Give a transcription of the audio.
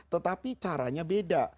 tetapi caranya beda